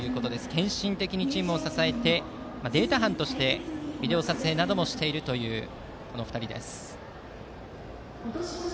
献身的にチームを支えてデータ班としてビデオ撮影などもしているというこの２人です。